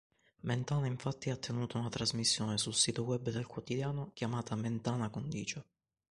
Mentana infatti ha tenuto una trasmissione sul sito web del quotidiano chiamata "Mentana Condicio.